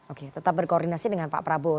oke tetap berkoordinasi dengan pak prabowo